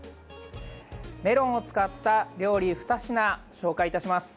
メロンを使った料理２品、紹介いたします。